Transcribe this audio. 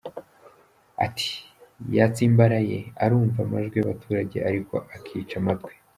Ati “Yatsimbaraye, arumva amajwi y’abaturage ariko akica amatwi.